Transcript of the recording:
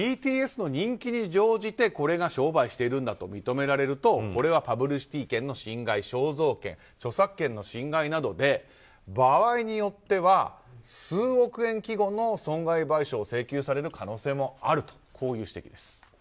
ＢＴＳの人気に乗じて商売してるんだと認められるとこれはパブリシティー権侵害肖像権、著作権の侵害などで場合によっては数億円規模の損害賠償を請求される可能性もあるという指摘です。